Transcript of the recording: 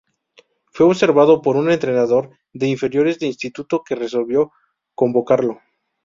Fue observado por un entrenador de inferiores de Instituto, que resolvió convocarlo.